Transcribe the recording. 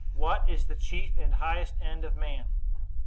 What is the chief and highest end of man?